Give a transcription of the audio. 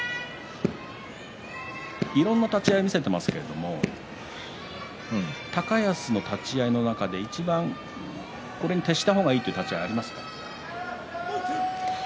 いろんな立ち合いを見せていますけれど高安の立ち合いの中でいちばん、これに徹した方がいいという立ち合いはありますか。